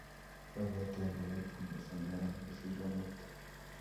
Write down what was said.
Abwoti ale kaitit mising raini kosiir amut